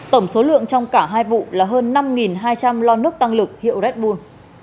tổng số lượng trong cả hai vụ là hơn năm hai trăm linh lon nước tăng lực hiệu red bul